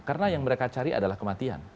karena yang mereka cari adalah kematian